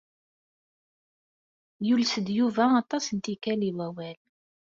Yules-d Yuba aṭas n tikkal i wawal.